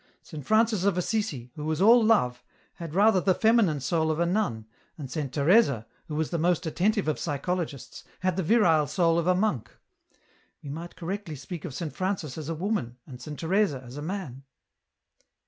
Saint Francis of Assisi, who was all love, had rather the feminine soul of a nun, and Saint Teresa, who was the most attentive of psychologists, had the virile soul of a monk. We might correctly speak of Saint Francis as a woman and Saint Teresa as a man."